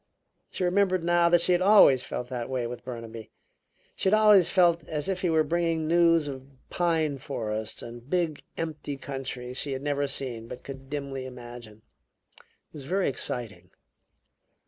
She remembered now that she had always felt that way with Burnaby; she had always felt as if he were bringing news of pine forests and big empty countries she had never seen but could dimly imagine. It was very exciting.